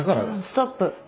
ストップ。